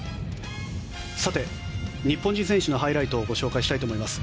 日本人選手のハイライトをご紹介したいと思います。